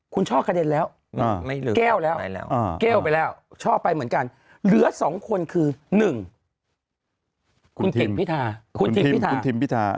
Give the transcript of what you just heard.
คุณชอบกระเด็นแล้วแก้วไปแล้วชอบไปเหมือนกันเหลือ๒คนคือหนึ่งคุณทิมพิธา